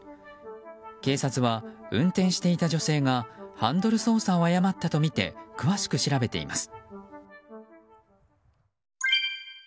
警察は運転していた女性がハンドル操作を誤ったとみて詳しく調べています。